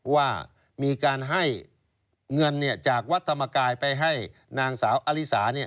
ว่ามีการให้เงินจากวัดธรรมกายไปให้นางสาวอลิสา